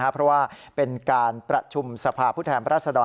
เพราะว่าเป็นการประชุมสภาพผู้แทนรัศดร